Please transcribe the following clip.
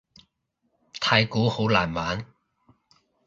太鼓好難玩